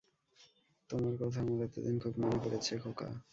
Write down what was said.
তোমার কথা আমার এতদিন খুব মনে পড়েছে, খোকা।